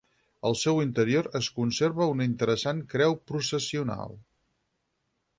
Al seu interior es conserva una interessant creu processional.